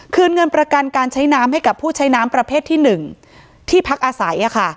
เงินประกันการใช้น้ำให้กับผู้ใช้น้ำประเภทที่๑ที่พักอาศัย